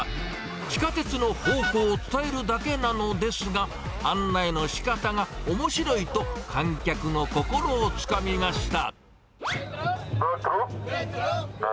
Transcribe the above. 地下鉄の方向を伝えるだけなのですが、案内のしかたがおもしろいと、観客の心をつかみました。